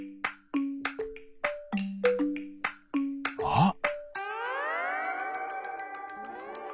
あっ！